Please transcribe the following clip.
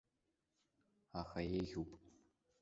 Аха еиӷьуп.